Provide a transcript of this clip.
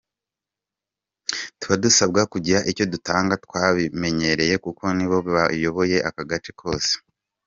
'Tuba dusabwa kugira icyo dutanda, twarabimenyereye kuko nibo bayoboye aka gace kose.